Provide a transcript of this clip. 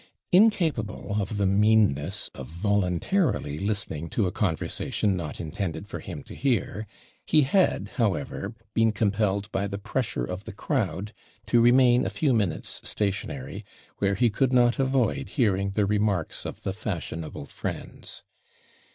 Incapable of the meanness of voluntarily listening to a conversation not intended for him to hear, he had, however, been compelled, by the pressure of the crowd, to remain a few minutes stationary, where he could not avoid hearing the remarks of the fashionable friends.